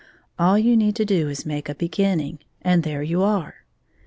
All you need to do is to make a be ginning, and there you are.